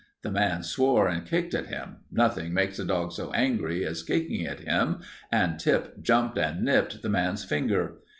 The man swore and kicked at him. Nothing makes a dog so angry as kicking at him, and Tip jumped and nipped the man's finger.